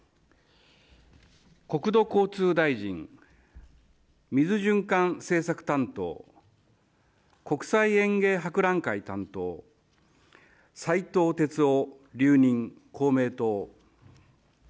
国土交通大臣、水循環政策担当、国際えんげい博覧会担当、斉藤鉄夫留任、公明党。